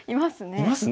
いますね。